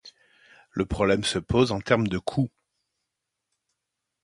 Le problème se pose en termes de coût.